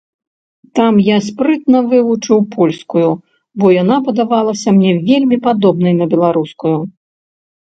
Там я спрытна вывучыў польскую, бо яна падавалася мне вельмі падобнай на беларускую.